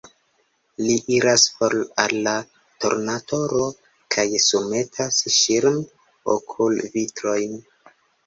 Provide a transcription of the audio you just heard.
Li iras for al la tornatoro kaj surmetas ŝirm-okulvitrojn.